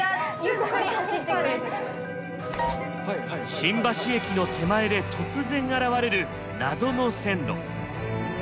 新橋駅の手前で突然現れる謎の線路。